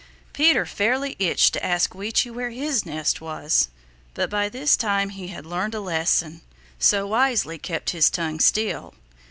Peter fairly itched to ask Weechi where his nest was, but by this time he had learned a lesson, so wisely kept his tongue still.